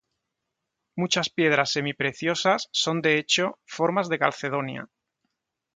Muchas piedras semipreciosas, son de hecho, formas de calcedonia.